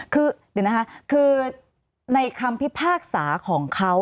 คือในคำพิพากษาของเขา